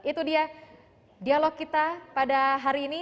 itu dia dialog kita pada hari ini